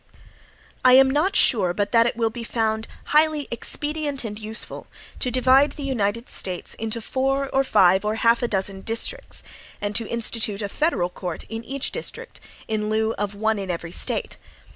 I am not sure, but that it will be found highly expedient and useful, to divide the United States into four or five or half a dozen districts; and to institute a federal court in each district, in lieu of one in every State.